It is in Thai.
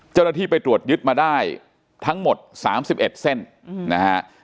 เจ้าหน้าที่ไปตรวจยึดมาได้ทั้งหมด๓๑เส้นนะฮะ